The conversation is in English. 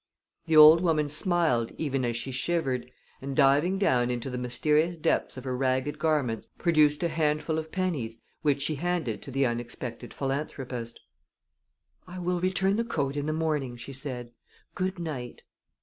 The old woman smiled even as she shivered, and diving down into the mysterious depths of her ragged garments produced a handful of pennies which she handed to the unexpected philanthropist. "I will return the coat in the morning," she said. "Good night!"